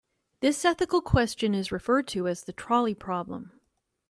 This ethical question is referred to as the trolley problem.